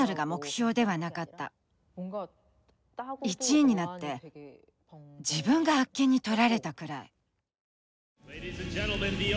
１位になって自分があっけにとられたくらい。